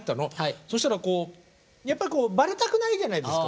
そしたらこうやっぱりバレたくないじゃないですか。